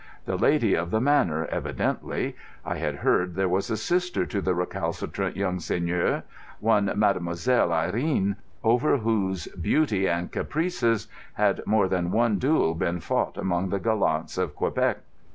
The lady of the manor, evidently. I had heard there was a sister to the recalcitrant young seigneur, one Mademoiselle Irene, over whose beauty and caprices had more than one duel been fought among the gallants of Quebec.